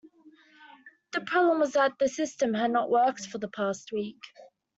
The problem was that the system had not worked for the past week